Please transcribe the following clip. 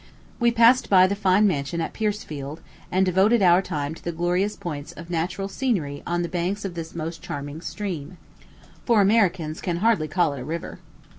We passed by the fine mansion at Piercefield, and devoted our time to the glorious points of natural scenery on the banks of this most charming stream for Americans can hardly call it a river.